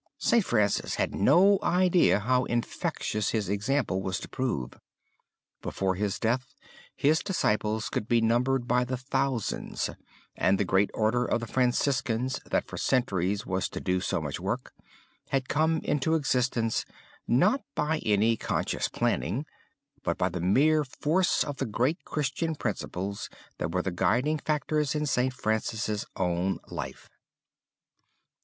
St. Francis had had no idea how infectious his example was to prove. Before his death his disciples could be numbered by the thousands and the great order of the Franciscans, that for centuries was to do so much work, had come into existence not by any conscious planning, but by the mere force of the great Christian principles that were the guiding factors in St. Francis' own life.